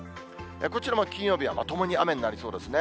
こちらも金曜日はまともに雨になりそうですね。